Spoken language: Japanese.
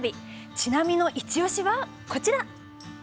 「ちなみのイチオシ！」はこちら。